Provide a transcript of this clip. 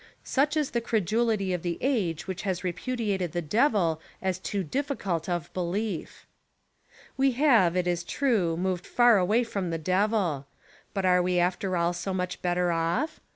Such is the credulity of the age which has repudiated the Devil as too difficult of belief. We have, it is true, moved far away from the Devil; but are we after all so much better off?